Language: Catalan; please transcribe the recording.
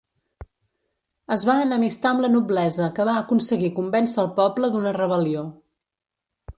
Es va enemistar amb la noblesa que va aconseguir convèncer al poble d'una rebel·lió.